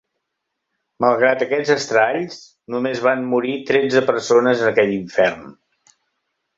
Malgrat aquests estralls, només van morir tretze persones en aquell infern.